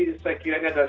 saya kira ini adalah